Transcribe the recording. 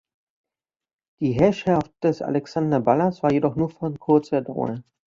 Die Herrschaft des Alexander Balas war jedoch nur von kurzer Dauer.